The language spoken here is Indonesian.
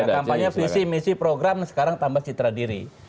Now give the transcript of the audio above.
kampanye visi misi program sekarang tambah citra diri